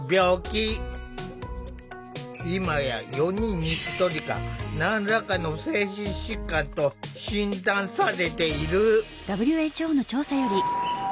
今や４人に１人が何らかの精神疾患と診断されている。